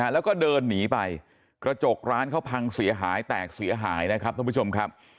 แล้วก็เดินหนีไปกระจกร้านเขาพังเสียหายแตกเสียหายนะครับท่านผู้ชมครับ